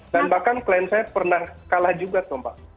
dan bahkan klien saya pernah kalah juga sob